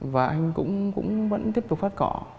và anh cũng vẫn tiếp tục phát cỏ